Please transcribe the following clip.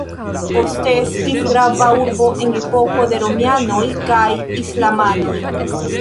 Poste estis grava urbo en epoko de romianoj kaj islamanoj.